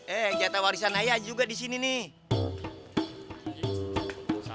eh jatah warisan ayah juga disini nih